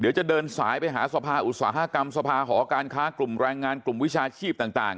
เดี๋ยวจะเดินสายไปหาสภาอุตสาหกรรมสภาหอการค้ากลุ่มแรงงานกลุ่มวิชาชีพต่าง